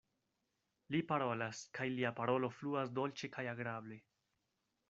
Li parolas, kaj lia parolo fluas dolĉe kaj agrable.